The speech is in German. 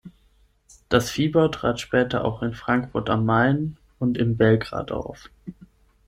Das Fieber trat später auch in Frankfurt am Main und in Belgrad auf.